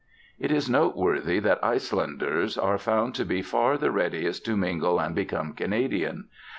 It is noteworthy that Icelanders are found to be far the readiest to mingle and become Canadian.